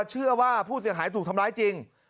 เชื่อว่าผู้เสียหายถูกทำร้ายจริง